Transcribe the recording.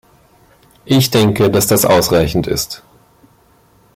Ich denke, dass das ausreichend ist.